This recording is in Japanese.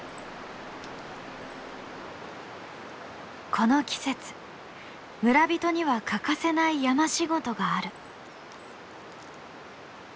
この季節村人には欠かせない山仕事がある。